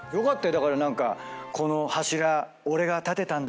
だから何か。